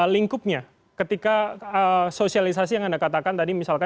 lingkupnya ketika sosialisasi yang anda katakan tadi misalkan